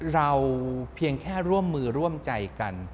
เราเพียงแค่ร่วมมือร่วมใจกัน